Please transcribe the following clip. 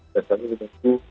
dan kami meneku